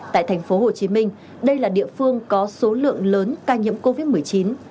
tại thành phố hồ chí minh đây là địa phương có số lượng lớn ca nhiễm covid một mươi chín